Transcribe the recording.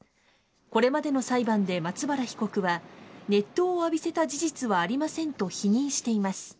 これまでの裁判で松原被告は、熱湯を浴びせた事実はありませんと否認しています。